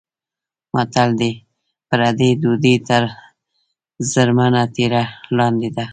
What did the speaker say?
متل دی: پردۍ ډوډۍ تر زرمنه تیږه لاندې ده.